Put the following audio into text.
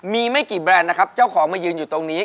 มีไม่กี่แบรนด์นะครับเจ้าของมายืนอยู่ตรงนี้